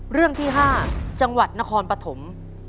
เรื่องที่๕จังหวัดนครปฐม